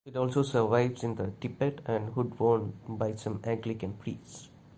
It also survives in the tippet and hood worn by some Anglican priests.